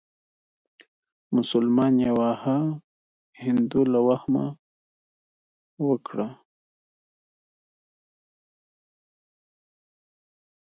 مسلمان يې واهه هندو له وهمه غول وکړه.